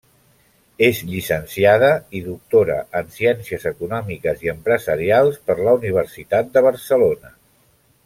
És llicenciada i doctora en Ciències Econòmiques i Empresarials per la Universitat de Barcelona.